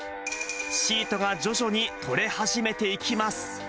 シートが徐々に取れ始めていきます。